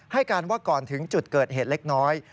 ให้การว่าก่อนถึงจุดเกิดเหตุเล็กน้อย